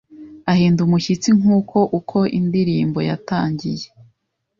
ahinda umushyitsi Nguko uko Indirimbo yatangiye